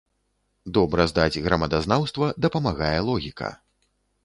Добра здаць грамадазнаўства дапамагае логіка.